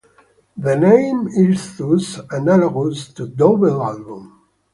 The name is thus analogous to double album.